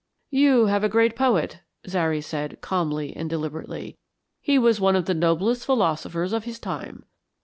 "You have a great poet," Zary said, calmly and deliberately. "He was one of the noblest philosophers of his time.